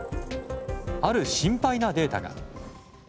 ある心配なデータが。